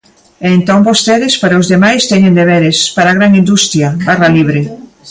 E entón vostedes, para os demais, teñen deberes; para a gran industria, barra libre.